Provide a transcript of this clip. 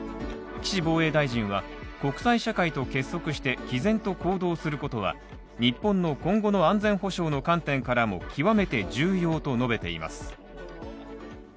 岸防衛大臣は国際社会と結束して毅然と行動することは日本の今後の安全保障の観点からも極めて重要と述べています。